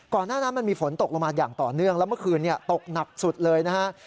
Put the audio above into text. หน้านั้นมันมีฝนตกลงมาอย่างต่อเนื่องแล้วเมื่อคืนตกหนักสุดเลยนะฮะ